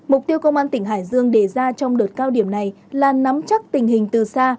mục tiêu công an tỉnh hải dương đề ra trong đợt cao điểm này là nắm chắc tình hình từ xa